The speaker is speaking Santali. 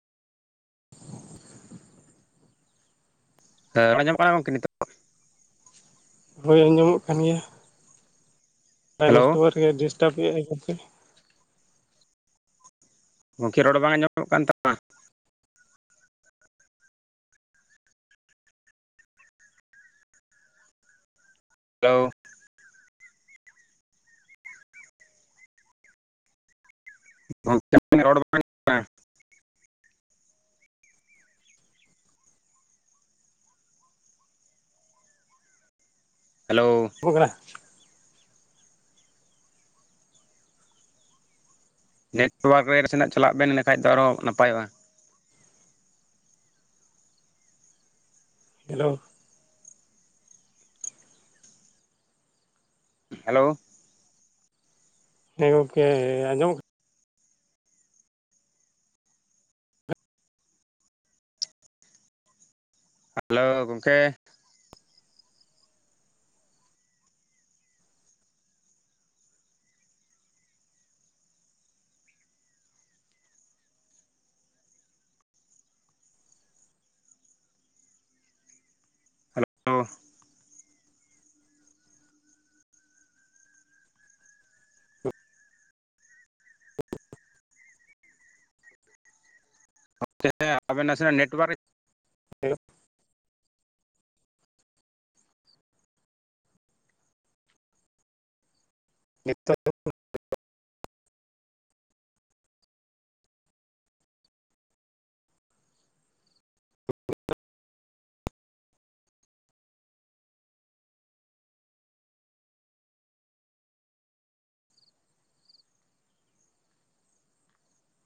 [inaudible] ᱨᱚᱲ ᱟᱡᱚᱢᱚᱜ ᱠᱟᱱᱟ, ᱜᱚᱢᱠᱮ ᱱᱤᱛᱚᱜ? ᱦᱳᱭ, ᱟᱸᱡᱚᱢᱚᱜ ᱠᱟᱱ ᱜᱮᱭᱟ᱾ ᱦᱮᱞᱳ ᱱᱮᱴᱳᱭᱟᱨ ᱜᱮ ᱰᱤᱥᱴᱟᱯ ᱮᱭᱟᱭ ᱠᱟᱴᱤᱡ᱾ ᱜᱚᱢᱠᱮ ᱨᱚᱲ ᱵᱟᱝ ᱟᱸᱡᱚᱢᱚᱜ ᱠᱟᱱ ᱛᱟᱢᱟ᱾ ᱦᱮᱞᱳ, ᱚᱝ ᱨᱚᱲ ᱵᱟᱝ ᱠᱟᱱᱟ ᱦᱮᱞᱳ, [inaudible] ᱩᱜᱨᱟ, ᱱᱮᱴᱚᱣᱟᱨᱠ ᱨᱮ ᱥᱮᱱᱟᱜ ᱪᱟᱞᱟᱜ ᱵᱮᱱ ᱤᱱᱟᱹ ᱠᱷᱟᱱ ᱫᱚ ᱟᱨᱦᱚᱸ ᱱᱟᱯᱟᱭᱚᱜᱼᱟ᱾ ᱦᱮᱞᱳ, ᱦᱮᱞᱳ, ᱦᱮᱸ ᱜᱚᱢᱠᱮ ᱟᱸᱡᱚᱢᱚᱜ ᱦᱮᱞᱳ ᱜᱚᱢᱠᱮ, ᱦᱮᱞᱳ, ᱟᱵᱮᱱ ᱱᱟᱥᱮᱱᱟᱜ ᱱᱮᱴᱚᱣᱟᱨᱠ ᱦᱮᱞᱳ, ᱱᱤᱛᱚ,